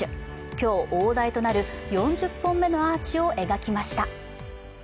今日、大台となる４０本目のアーチを描きました。